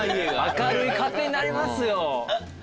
明るい家庭になりますよ。